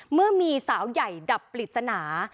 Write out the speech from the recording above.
เมื่อมีสาวใหญ่ดับปริศนา